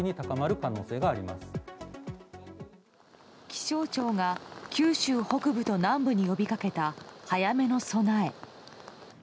気象庁が九州北部と南部に呼びかけた早めの備え。